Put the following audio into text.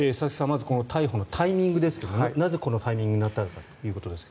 まずこの逮捕のタイミングですがなぜこのタイミングになったのかということですが。